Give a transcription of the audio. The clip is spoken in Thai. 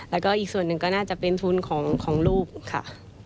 แล้วก็อีกส่วนหนึ่งก็น่าจะเป็นทุนของลูกค่ะ